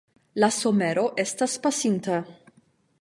La somero estas pasinta.